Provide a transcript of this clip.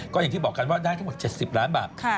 ก็อย่างที่บอกกันว่าได้ทั้งหมด๗๐ล้านบาท